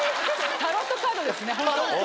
タロットカードだよね。